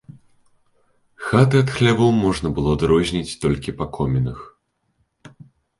Хаты ад хлявоў можна было адрозніць толькі па комінах.